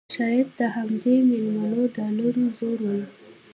شايد د همدې مليونونو ډالرو زور وي